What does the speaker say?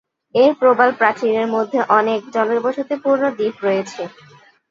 এর প্রবাল প্রাচীরের মধ্যে অনেক জনবসতিপূর্ণ দ্বীপ রয়েছে।